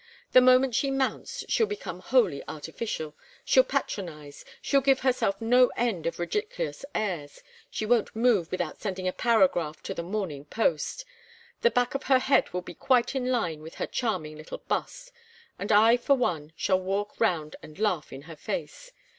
The moment she mounts she'll become wholly artificial, she'll patronize, she'll give herself no end of ridiculous airs; she won't move without sending a paragraph to the Morning Post. The back of her head will be quite in line with her charming little bust, and I for one shall walk round and laugh in her face.